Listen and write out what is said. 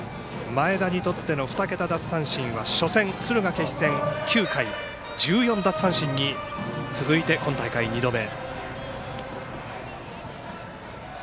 前田にとっての２桁奪三振は初戦の敦賀気比戦９回、１４奪三振に続いて今大会２度目。